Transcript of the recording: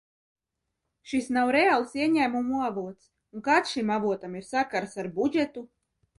Šis nav reāls ieņēmumu avots, un kāds šim avotam ir sakars ar budžetu?